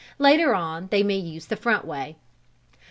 Later on they may use the front way.